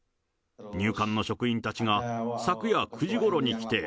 入管の職員たちが昨夜９時ごろに来て、